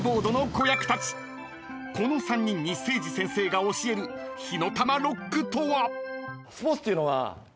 ［この３人にセイジ先生が教える火の玉ロックとは？］